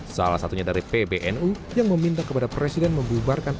salah satunya dari pbnu yang meminta kepada presiden membubarkan